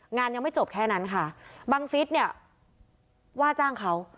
ยังไม่จบแค่นั้นค่ะบังฟิศเนี่ยว่าจ้างเขา